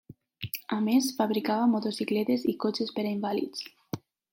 A més, fabricava motocicletes i cotxes per a invàlids.